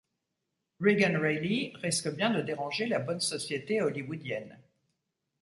Regan Reilly risque bien de déranger la bonne société hollywoodienne.